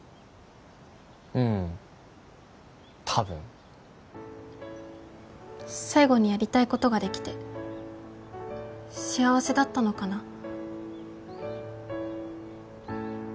うん多分最後にやりたいことができて幸せだったのかな？